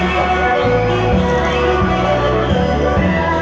สวัสดีครับ